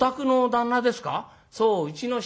「そううちの人。